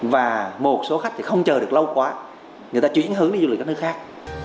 và một số khách không chờ được lâu quá người ta chuyển hướng đến du lịch các nơi khác